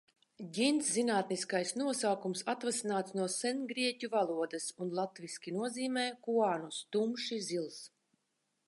"Ģints zinātniskais nosaukums atvasināts no sengrieķu valodas un latviski nozīmē: "kuanos" – tumši zils."